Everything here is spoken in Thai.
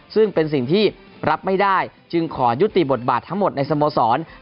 ซึ่งเป็นสิ่งที่รับไม่ได้จึงขอยุติบทบาททั้งหมดในสโมสร